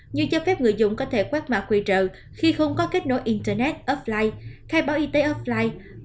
như cho phép người dùng có thể quét mạ quy trợ khi không có kết nối internet offline khai báo y tế offline